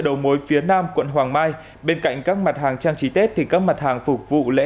đầu mối phía nam quận hoàng mai bên cạnh các mặt hàng trang trí tết thì các mặt hàng phục vụ lễ